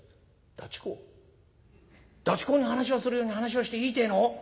ダチ公に話をするように話をしていいってえの？